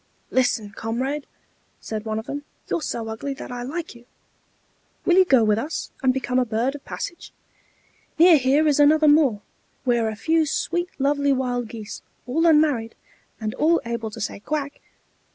"Listen, comrade," said one of them. "You're so ugly that I like you. Will you go with us, and become a bird of passage? Near here is another moor, where are a few sweet lovely wild geese, all unmarried, and all able to say 'Quack!'